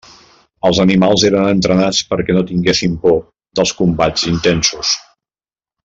Els animals eren entrenats perquè no tinguessin por dels combats intensos.